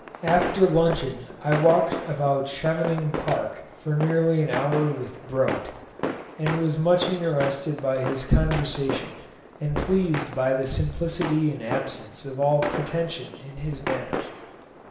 After luncheon I walked about Chevening Park for nearly an hour with Grote, and was much interested by his conversation and pleased by the simplicity and absence of all pretension in his manners.